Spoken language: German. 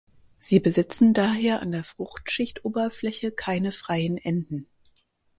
Sie besitzen daher an der Fruchtschichtoberfläche keine freien Enden.